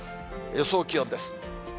予想気温です。